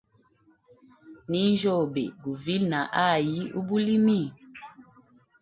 Ninjyoge guvile na hayi ubulimi.